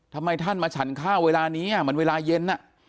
ทำไมท่านมาฉันข้าวเวลานี้มันเวลาเย็น